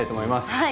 はい。